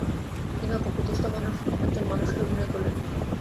তিনি অপ্রকৃতিস্থ একজন মানুষের অভিনয় করলেন।